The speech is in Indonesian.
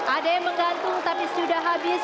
ada yang menggantung tapi sudah habis